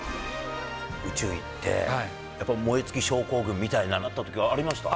宇宙行って、燃え尽き症候群みたいになったときありました？